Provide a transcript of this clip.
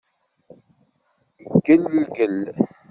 Ggelgel.